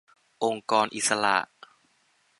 องค์กรอิสระ